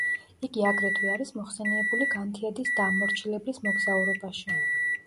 იგი აგრეთვე არის მოხსენიებული „განთიადის დამმორჩილებლის მოგზაურობაში“.